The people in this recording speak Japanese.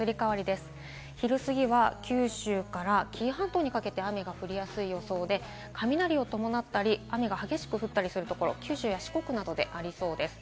昼すぎは、九州から紀伊半島にかけて雨が降りやすい予想で、雷を伴ったり、雨が激しく降ったりするところ、九州や四国などでありそうです。